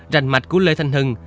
rành mạch của lê thanh hưng